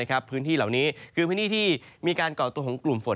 พื้นที่เหล่านี้คือพื้นที่ที่มีการก่อตัวของกลุ่มฝน